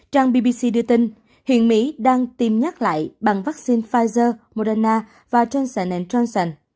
trang bbc đưa tin hiện mỹ đang tiêm nhắc lại bằng vaccine pfizer moderna và johnson johnson